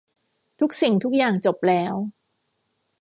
ทุกสิ่งทุกอย่างจบแล้ว